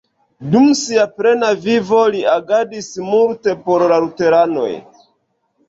Dum sia plena vivo li agadis multe por la luteranoj.